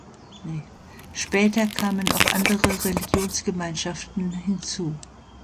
Später kamen auch andere Religionsgemeinschaften hinzu.